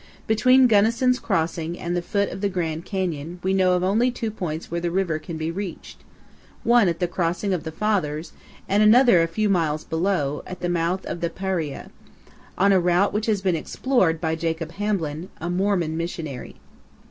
Between Gunnison's Crossing and the foot of the Grand Canyon, we know of only two points where the river can be reached one at the Crossing of the Fathers, and another a few miles below, at the mouth of the Paria, on a route which has been explored by Jacob Hamblin, a Mormon missionary.